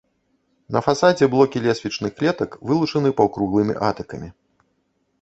На фасадзе блокі лесвічных клетак вылучаны паўкруглымі атыкамі.